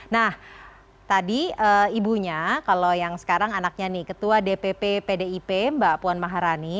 nah tadi ibunya kalau yang sekarang anaknya nih ketua dpp pdip mbak puan maharani